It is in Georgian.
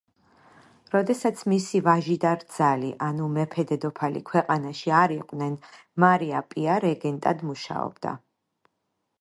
როდესაც მისი ვაჟი და რძალი, ანუ მეფე-დედოფალი ქვეყანაში არ იყვნენ, მარია პია რეგენტად მუშაობდა.